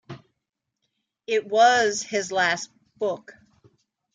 It was his last book.